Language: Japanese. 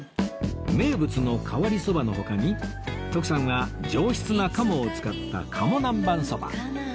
名物の変わりそばの他に徳さんは上質な鴨を使った鴨南蛮そば